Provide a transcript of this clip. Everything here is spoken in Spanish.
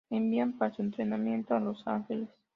Le envían para su entrenamiento a Los Ángeles.